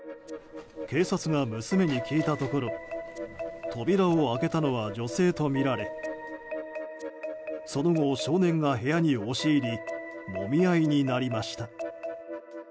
警察が娘に聞いたところ扉を開けたのは女性とみられその後、少年が部屋に押し入りもみ合いになりました。